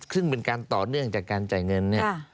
ซึ่งเป็นการต่อเนื่องจากการจ่ายเงินเนี่ย